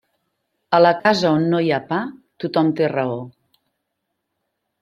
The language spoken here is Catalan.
A la casa on no hi ha pa, tothom té raó.